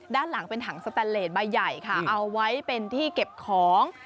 ด้านหลังเป็นถังสแตนเลสใบใหญ่ค่ะเอาไว้เป็นที่เก็บของ